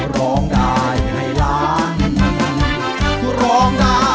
ร้องได้ให้ล้าน